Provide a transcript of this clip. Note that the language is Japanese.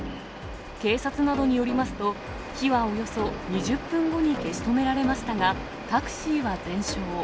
警察などによりますと、火はおよそ２０分後に消し止められましたが、タクシーは全焼。